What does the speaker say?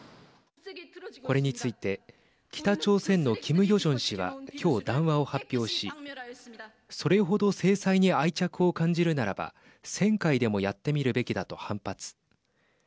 これについて北朝鮮のキム・ヨジョン氏は今日、談話を発表しそれほど制裁に愛着を感じるならば１０００回でもやってみるべきだと反発。